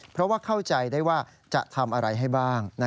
เพราะว่าเข้าใจได้ว่าจะทำอะไรให้บ้าง